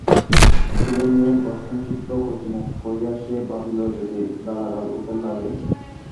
ছেলেমেয়ের বর্ষণসিক্ত কচিমুখ মনে করিয়া সে ভাবিল যদি গালাগাল ওদের লাগে!